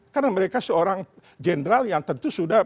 karena mereka seorang jenderal yang tentu sudah melakukannya